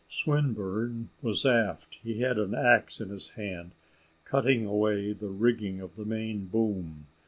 Swinburne was aft; he had an axe in his hand, cutting away the rigging of the main boom.